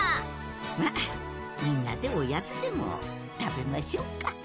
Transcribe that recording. まあみんなでおやつでもたべましょうか。